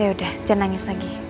yaudah janangis lagi